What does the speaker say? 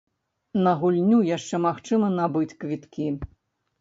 На гульню яшчэ магчыма набыць квіткі.